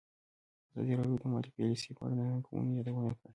ازادي راډیو د مالي پالیسي په اړه د ننګونو یادونه کړې.